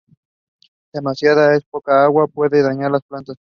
Demasiada o muy poca agua puede dañar las plantas.